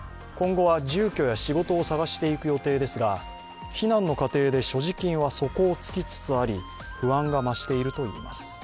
今後は住居や仕事を探していく予定ですが避難の過程で所持金は底をつきつつあり不安が増しているといいます。